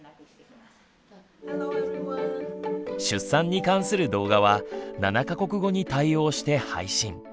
出産に関する動画は７か国語に対応して配信。